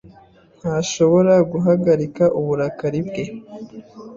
ntashobora guhagarika uburakari bwe.